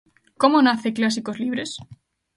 Como nace Clásicos Libres?